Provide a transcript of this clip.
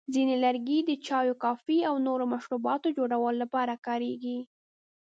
ځینې لرګي د چایو، کافي، او نورو مشروباتو جوړولو لپاره کارېږي.